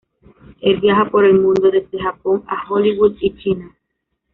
Él viaja por el mundo desde Japón a Hollywood y China.